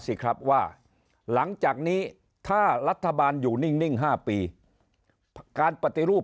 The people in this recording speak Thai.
สิครับว่าหลังจากนี้ถ้ารัฐบาลอยู่นิ่ง๕ปีการปฏิรูป